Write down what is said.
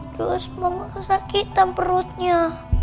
terus mama sakit tanpa perutnya